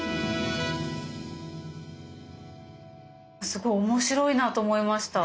すごい面白いなと思いました。